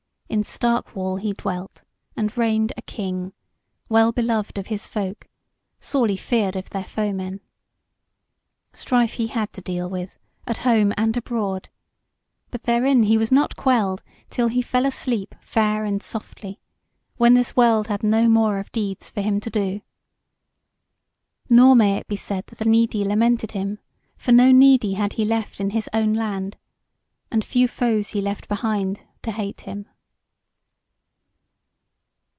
In Stark wall he dwelt, and reigned a King, well beloved of his folk, sorely feared of their foemen. Strife he had to deal with, at home and abroad; but therein he was not quelled, till he fell asleep fair and softly, when this world had no more of deeds for him to do. Nor may it be said that the needy lamented him; for no needy had he left in his own land. And few foes he left behind to hate him.